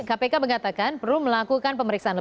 kpk mengatakan perlu melakukan